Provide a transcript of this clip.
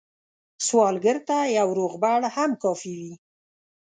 سوالګر ته یو روغبړ هم کافي وي